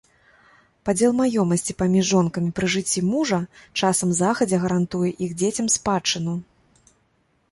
Падзел маёмасці паміж жонкамі пры жыцці мужа часам загадзя гарантуе іх дзецям спадчыну.